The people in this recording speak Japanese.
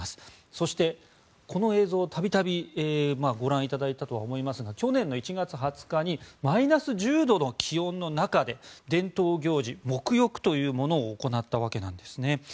そして、この映像度々ご覧いただいたとは思いますが去年の１月２０日にマイナス１０度の気温の中で伝統行事、沐浴というものを行ったんですね。